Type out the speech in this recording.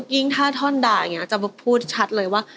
ยิ่งถ้าท่อนด่าอย่างนี้จะพูดชัดเลยว่า